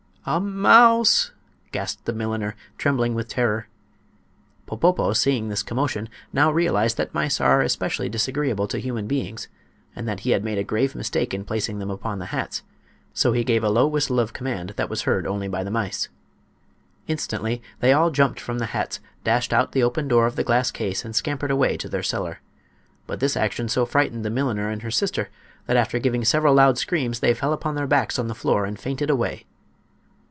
"A mouse!" gasped the milliner, trembling with terror. Popopo, seeing this commotion, now realized that mice are especially disagreeable to human beings, and that he had made a grave mistake in placing them upon the hats; so he gave a low whistle of command that was heard only by the mice. Instantly they all jumped from the hats, dashed out the open door of the glass case and scampered away to their cellar. But this action so frightened the milliner and her sister that after giving several loud screams they fell upon their backs on the floor and fainted away.